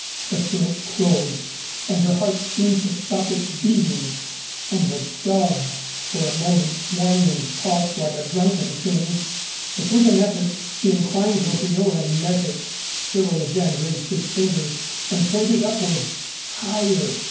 Her throat closed and her heart seemed to stop its beating and the Dove for a moment swung and tossed like a drunken thing, but with an effort she inclined her wheel and met it. Cyril again raised his fingers and pointed upwards. Higher!